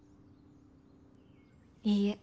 いいえ。